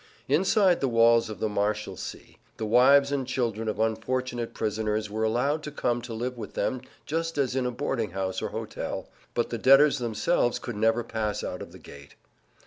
Inside the walls of the Marshalsea the wives and children of unfortunate prisoners were allowed to come to live with them just as in a boarding house or hotel, but the debtors themselves could never pass out of the gate.